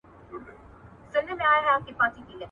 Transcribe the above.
د نشې حالت څو ډوله حکمونه لري؟